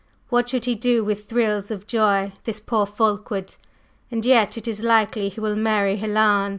What should he do with thrills of joy this poor Fulkeward? And yet it is likely he will marry Helen.